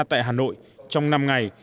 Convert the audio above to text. tại hà nội trong năm ngày